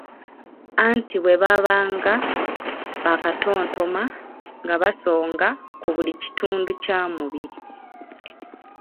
Anti bwe baabanga bakatontoma nga basonga ku buli kitundu kya mubiri.